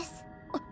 あっ。